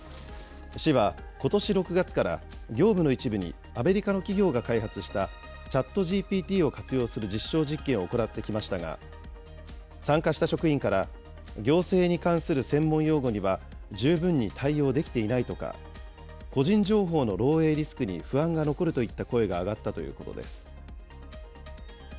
市はことし６月から業務の一部にアメリカの企業が開発したＣｈａｔＧＰＴを活用する実証実験を行ってきましたが、参加した職員から行政に関する専門用語には、十分に対応できていないとか、個人情報の漏えいリスクに不安が残るといった声が上がったということです。